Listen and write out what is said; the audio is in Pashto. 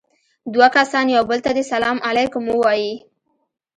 دوه کسان يو بل ته دې سلام عليکم ووايي.